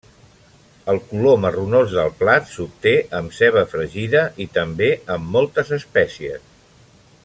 El color marronós del plat s'obté amb ceba fregida, i també amb moltes espècies.